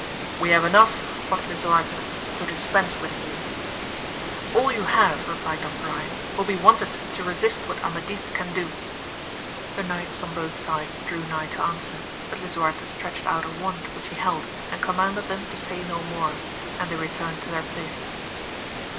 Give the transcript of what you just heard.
We have enough, quoth Lisuarte, to dis pense with you. All you have, replied Don Brian, will be wanted to resist what Amadis can do. The knights on both sides drew nigh to answer, but Lisu AMADIS OF GAUL, 139 arte stretched out a wand which he held and com manded them to say no more, and they returned to their places.